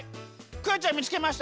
クヨちゃん見つけました！